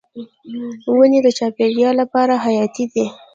ونې د چاپیریال لپاره حیاتي دي.